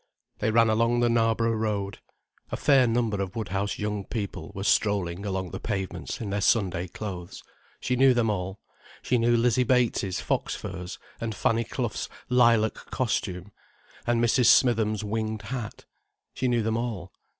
They ran along the Knarborough Road. A fair number of Woodhouse young people were strolling along the pavements in their Sunday clothes. She knew them all. She knew Lizzie Bates's fox furs, and Fanny Clough's lilac costume, and Mrs. Smitham's winged hat. She knew them all.